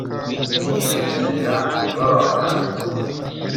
bizera bababara